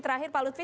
terakhir pak lutfi